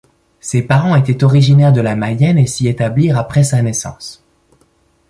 Ses parents étaient originaires de la Mayenne et s'y établirent après sa naissance.